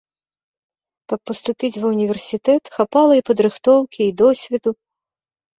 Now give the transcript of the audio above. Каб паступіць ва універсітэт, хапала і падрыхтоўкі, і досведу.